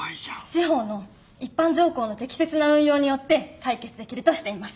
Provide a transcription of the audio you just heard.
私法の一般条項の適切な運用によって解決できるとしています。